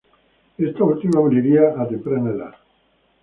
Esta última moriría a temprana edad.